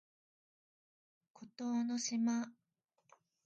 孤島の島